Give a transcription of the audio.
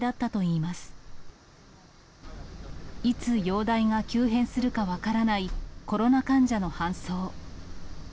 いつ容体が急変するか分からないコロナ患者の搬送。